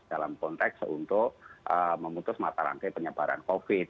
dalam konteks untuk memutus mata rantai penyebaran covid